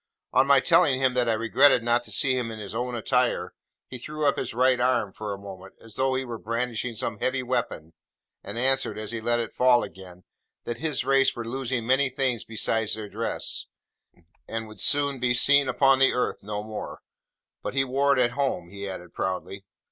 On my telling him that I regretted not to see him in his own attire, he threw up his right arm, for a moment, as though he were brandishing some heavy weapon, and answered, as he let it fall again, that his race were losing many things besides their dress, and would soon be seen upon the earth no more: but he wore it at home, he added proudly.